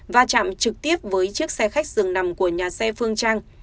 va chạm trực tiếp với chiếc xe khách dường nằm của nhà xe phương trang